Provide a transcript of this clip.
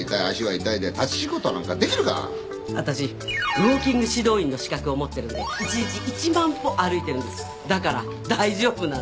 ウォーキング指導員の資格を持ってるんで１日１万歩歩いてるんですだから大丈夫なんですよ